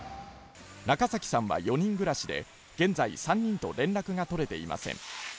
中崎さんは４人暮らしで、現在３人と連絡が取れていません。